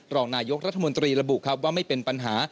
รองนายกรัฐมนตรีระบุครับว่าไม่เป็นปัญหา